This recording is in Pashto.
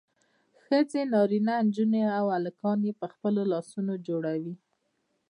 ښځې نارینه نجونې او هلکان یې په خپلو لاسونو جوړوي.